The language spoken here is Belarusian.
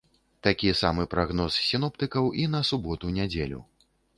Такі самы прагноз сіноптыкаў і на суботу-нядзелю.